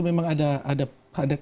memang ada agak apa ya